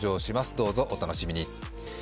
どうぞお楽しみに。